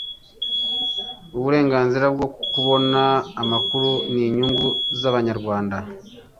Uburenganzira bwo kubona amakuru ni inyungu z'Abanyarwanda